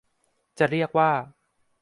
จะเรียกว่า